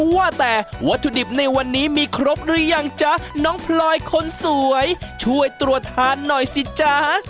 ว่าแต่วัตถุดิบในวันนี้มีครบหรือยังจ๊ะน้องพลอยคนสวยช่วยตรวจทานหน่อยสิจ๊ะ